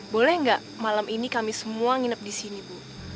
boleh nggak malam ini kami semua nginep di sini bu